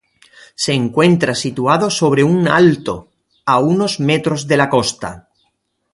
Se encuentra situado sobre un alto, a unos metros de la costa.